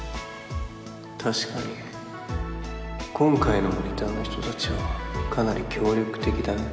確かに今回のモニターの人達はかなり協力的だね